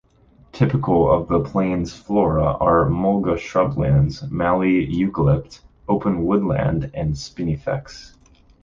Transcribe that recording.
Typical of the plains flora are mulga shrub-lands, mallee eucalypt, open woodland and spinifex.